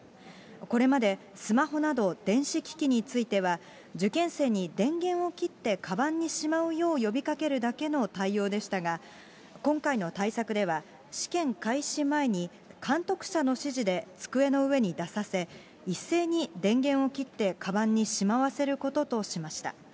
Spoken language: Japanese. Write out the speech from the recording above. これまでスマホなど電子機器については、受験生に電源を切ってかばんにしまうよう呼びかけるだけの対応でしたが、今回の対策では、試験開始前に監督者の指示で机の上に出させ、一斉に電源を切ってかばんにしまわせることとしました。